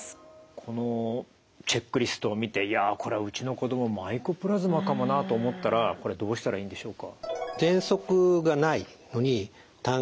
このチェックリストを見て「いやこれはうちの子どもマイコプラズマかもな」と思ったらこれどうしたらいいんでしょうか？